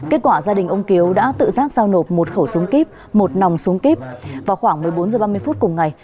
kết quả gia đình ông kiếu đã tự giác giao nộp một khẩu súng kíp một nòng súng kíp vào khoảng một mươi bốn h ba mươi phút cùng ngày